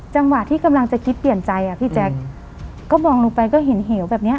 จังหวะที่กำลังจะคิดเปลี่ยนใจอ่ะพี่แจ๊คก็มองลงไปก็เห็นเหวแบบเนี้ย